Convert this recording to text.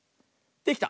できた！